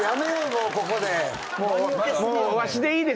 もうここで。